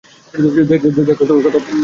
দেখ কত ভালো মানুষ জয় লাভ করেছে।